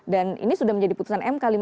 dan ini sudah menjadi putusan mkl